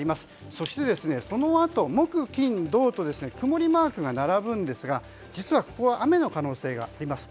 そして、そのあと木金土と曇りマークが並びますが実はここは雨の可能性があります。